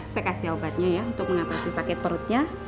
saya kasih obatnya ya untuk mengatasi sakit perutnya